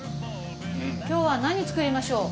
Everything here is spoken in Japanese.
今日は何作りましょう。